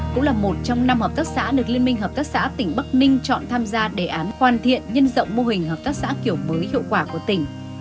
cũng là một trong năm hợp tác xã được liên minh hợp tác xã tỉnh bắc ninh chọn tham gia đề án hoàn thiện nhân rộng mô hình hợp tác xã kiểu mới hiệu quả của tỉnh